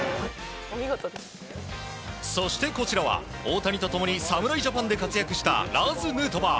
そしてこちらは大谷と共に侍ジャパンで活躍したラーズ・ヌートバー。